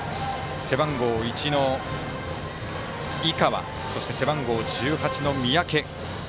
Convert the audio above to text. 背番号１の井川そして、背番号１８の三宅。